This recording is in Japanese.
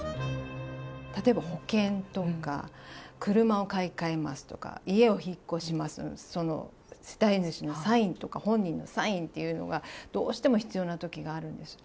例えば、保険とか、車を買い替えますとか、家を引っ越します、その世帯主のサインとか、本人のサインっていうのが、どうしても必要なときがあるんです。